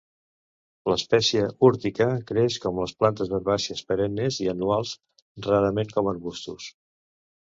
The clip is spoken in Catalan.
L'espècie "urtica" creix com les plantes herbàcies perennes i anuals, rarament com arbustos.